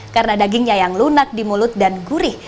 karena dagingnya yang lunak di mulut dan gurih